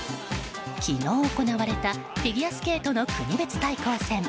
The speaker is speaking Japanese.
昨日行われたフィギュアスケートの国別対抗戦。